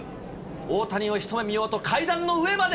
大谷を一目見ようと、階段の上まで。